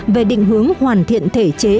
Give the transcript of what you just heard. về định hướng hoàn thiện thể chế